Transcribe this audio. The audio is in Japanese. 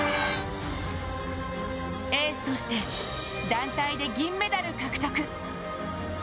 エースとして団体で銀メダル獲得。